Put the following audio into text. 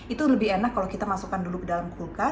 itu lebih enak kalau kita masukkan dulu ke dalam kulkas